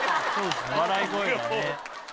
笑い声がね。